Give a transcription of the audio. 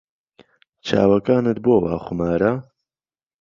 چاوەکانت بۆوا خومارە